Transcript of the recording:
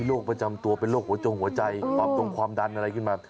พวกน้องตัวเป็นโรคหัวใจความดันอะไรขึ้นมา